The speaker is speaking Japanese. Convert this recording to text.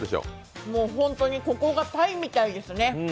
本当に、ここがタイみたいですね。